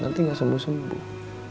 nanti nggak sembuh sembuh